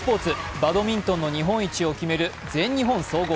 バドミントンの日本一を決める全日本総合。